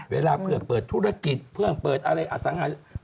เวลาเพื่อนเปิดธุรกิจเพื่อนเปิดอะไรอสังหา